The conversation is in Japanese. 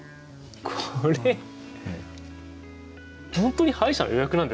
これ本当に歯医者の予約なんですかね？